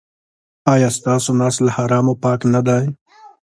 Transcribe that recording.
ایا ستاسو نس له حرامو پاک نه دی؟